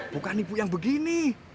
bukan ibu yang begini